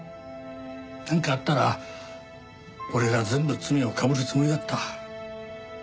なんかあったら俺が全部罪をかぶるつもりだった。